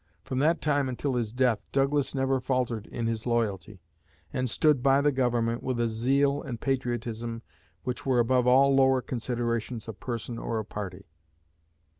From that time until his death Douglas never faltered in his loyalty, and stood by the Government with a zeal and patriotism which were above all lower considerations of person or of party.